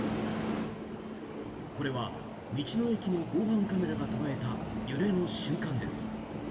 これは道の駅の防犯カメラが捉えた揺れの瞬間です。